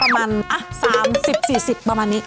ประมาณ๓๐๔๐ประมาณนี้